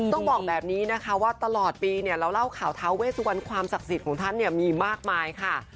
ต้องบอกแบบนี้นะคะว่าตลอดปีเนี่ยเราเล่าข่าวท้าเวสวันความศักดิ์สิทธิ์ของท่านเนี่ยมีมากมายค่ะ